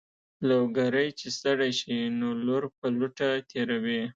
لوګری چې ستړی شي نو لور په لوټه تېروي.